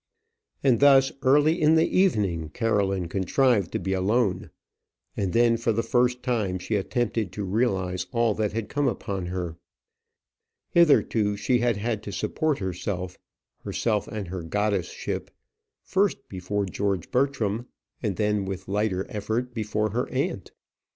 And thus early in the evening Caroline contrived to be alone; and then for the first time she attempted to realize all that had come upon her. Hitherto she had had to support herself herself and her goddess ship, first before George Bertram, and then with lighter effort before her aunt.